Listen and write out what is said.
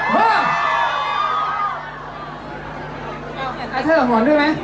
ลองดูเต้นหนึ่งเหรอ